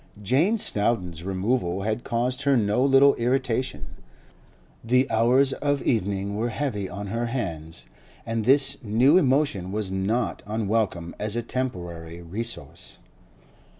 Jane Snowdon's removal had caused her no little irritation; the hours of evening were heavy on her hands, and this new emotion was not unwelcome as a temporary resource.